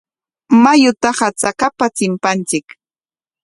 Mayutaqa chakapa chimpanchik.